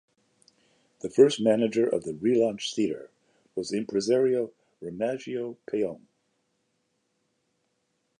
The first manager of the relaunched theatre was the impresario Remigio Paone.